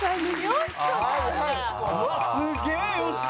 「うわすげえよしこ」